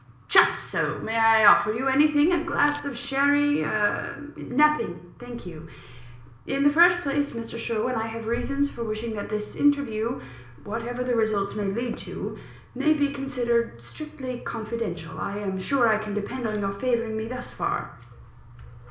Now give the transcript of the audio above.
"Just so. May I offer you anything? a glass of sherry, a " "Nothing, thank you. In the first place, Mr. Sherwin, I have reasons for wishing that this interview, whatever results it may lead to, may be considered strictly confidential. I am sure I can depend on your favouring me thus far?"